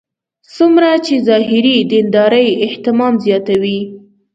څومره چې ظاهري دیندارۍ اهتمام زیاتوي.